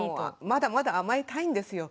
まだまだ甘えたいんですよ。